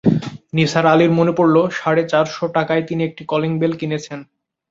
নিসার আলির মনে পড়ল সাড়ে চার শ টাকায় তিনি একটা কলিং বেল কিনেছেন।